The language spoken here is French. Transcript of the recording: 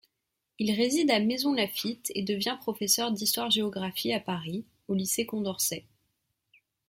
Il réside à Maisons-Laffitte et devient professeur d'histoire-géographie à Paris, au lycée Condorcet.